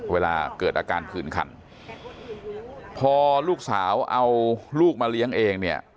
เวลาเกิดอาการผื่นคันพอลูกสาวเอาลูกมาเลี้ยงเองเนี่ย